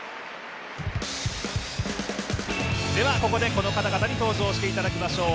では、ここでこの方々に登場していただきましょう。